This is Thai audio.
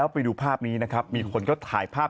ไปดูภาพนี้นะครับมีคนก็ถ่ายภาพ